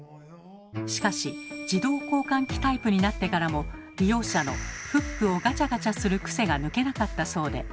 しかし自動交換機タイプになってからも利用者のフックをガチャガチャするクセが抜けなかったそうで。